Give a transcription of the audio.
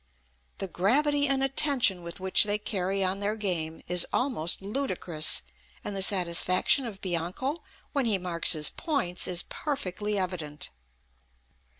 The gravity and attention with which they carry on their game is almost ludicrous; and the satisfaction of Bianco when he marks his points is perfectly evident."